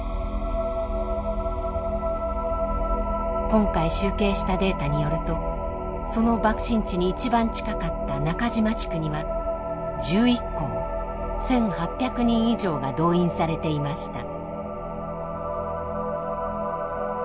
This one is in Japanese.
今回集計したデータによるとその爆心地に一番近かった中島地区には１１校１，８００人以上が動員されていました。